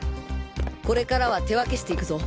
これからは手分けして行くぞ。